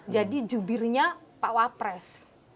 jadi jubirnya pak wapres